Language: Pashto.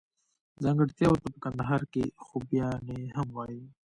ځانګړتياوو ته په کندهار کښي خوباياني هم وايي.